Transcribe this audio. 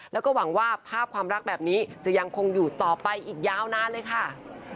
แล้วก็หวังว่าภาพความรักแบบนี้จะยังคงอยู่ต่อไปอีกยาวนานเลยค่ะ